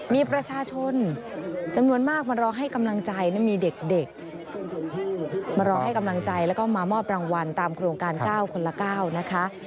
มีประชาชนจำนวนมากมารอให้กำลังใจมีเด็กมารอให้กำลังใจแล้วก็มามอบรางวัลตามโครงการ๙คนละ๙นะคะ